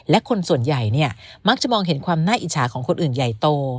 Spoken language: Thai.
และคนส่วนใหญ่เนี่ยมักจะมองเห็นความน่าอิจฉาของคนอื่นใหญ่โต